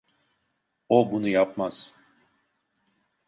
O bunu yapmaz.